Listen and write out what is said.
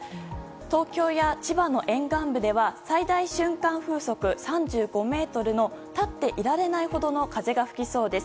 東京や千葉の沿岸部では最大瞬間風速３５メートルの立っていられないほどの風が吹きそうです。